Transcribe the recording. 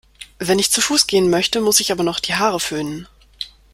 Wenn ich zu Fuß gehen möchte, muss ich aber noch die Haare föhnen.